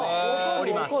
折ります。